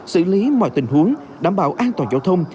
xử lý mọi tình huống đảm bảo an toàn giao thông